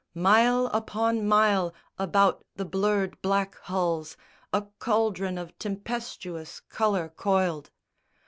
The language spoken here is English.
Mile upon mile about the blurred black hulls A cauldron of tempestuous colour coiled.